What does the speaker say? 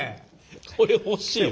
これ欲しいわ！